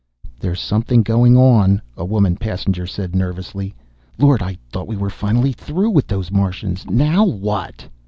"There's something going on," a woman passenger said nervously. "Lord, I thought we were finally through with those Martians. Now what?"